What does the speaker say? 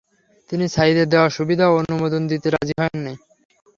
তিনি সাইদের দেয়া সুবিধা অনুমোদন দিতে রাজি হননি।